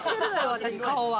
私顔は。